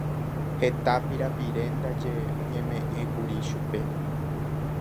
Heta pirapire ndaje oñeme'ẽkuri chupe.